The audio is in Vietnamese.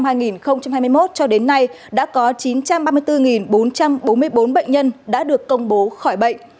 trong ngày hai mươi một cho đến nay đã có chín trăm ba mươi bốn bốn trăm bốn mươi bốn bệnh nhân đã được công bố khỏi bệnh